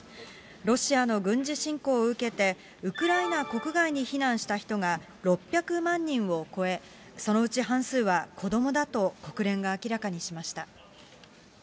ロシアの軍事侵攻を受けて、ウクライナ国外に避難した人が６００万人を超え、そのうち半数は子どもだと国連が明らかにしました。